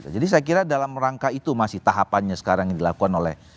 jadi saya kira dalam rangka itu masih tahapannya sekarang yang dilakukan oleh